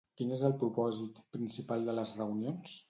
Quin és el propòsit principal de les reunions?